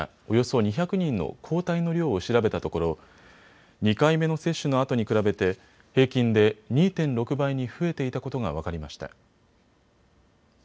およそ２００人の抗体の量を調べたところ２回目の接種のあとに比べて平均で２．６倍に増えていたことが分かりました。